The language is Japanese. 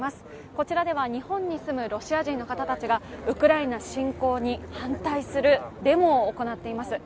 こちらでは日本に住むロシア人の方たちがウクライナ侵攻に反対するデモを行っています。